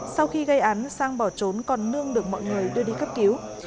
sau khi gây án sang bỏ trốn còn nương được mọi người đưa đi cấp cứu